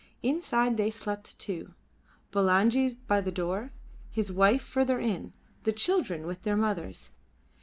Inside they slept too: Bulangi by the door; his wives further in; the children with their mothers.